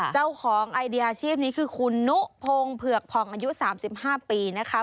เจ้าของไอเดียอาชีพนี้คือคุณนุพงศ์เผือกผ่องอายุ๓๕ปีนะคะ